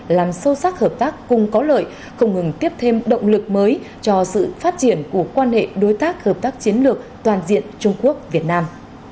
làm sâu sắc hợp tác cùng có lợi không ngừng tiếp thêm động lực mới cho sự phát triển của quan hệ đối tác hợp tác chiến lược toàn diện trung quốc việt nam